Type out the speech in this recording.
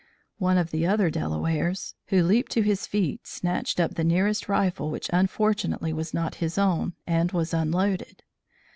One of the other Delawares who leaped to his feet snatched up the nearest rifle which unfortunately was not his own, and was unloaded.